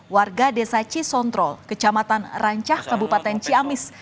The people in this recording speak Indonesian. warga desa cisontrol kecamatan rancah kabupaten ciamis